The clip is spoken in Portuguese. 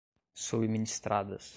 subministradas